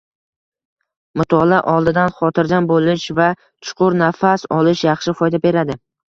Mutolaa oldidan xotirjam boʻlish va chuqur nafas olish yaxshi foyda beradi